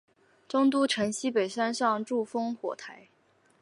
中都城西北山上筑烽火台。